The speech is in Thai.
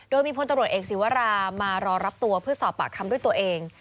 โดยมีพลตำรวจเอกศีวรามารอรับตัวเพื่อสอบปากคำด้วยตัวเอง